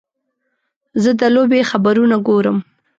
زه د لوبې خبرونه ګورم.